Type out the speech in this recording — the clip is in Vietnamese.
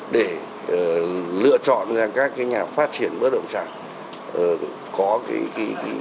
để lựa chọn ra các nhà phát triển bất động sản có cái năng lực tốt hơn